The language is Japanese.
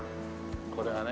これがね。